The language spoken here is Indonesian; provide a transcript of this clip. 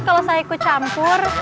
kalau saya ikut campur